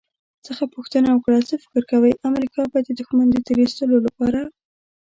څخه پوښتنه وکړه «څه فکر کوئ، امریکا به د دښمن د تیرایستلو لپاره»